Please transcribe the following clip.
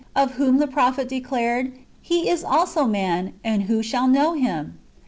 339 of whom the prophet declared, " He is also a man, and who 5hall know him?"